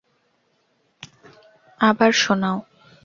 আবার শোনাও।